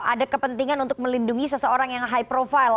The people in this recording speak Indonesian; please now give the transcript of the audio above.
ada kepentingan untuk melindungi seseorang yang high profile